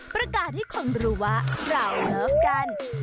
ประกาศที่คนรู้ว่าเราลับกัน